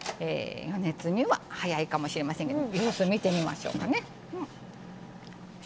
早いかもしれませんけど様子を見てみましょうかね。